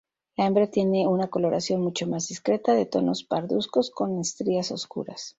La hembra tiene una coloración mucho más discreta, de tonos parduzcos con estrías oscuras.